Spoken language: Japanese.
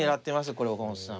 これ岡本さん。